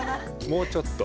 「もうちょっと」？